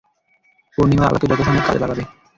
পূর্ণিমার আলোকে যথাসম্ভব কাজে লাগাবে!